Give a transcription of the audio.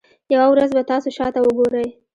یوه ورځ به تاسو شاته وګورئ.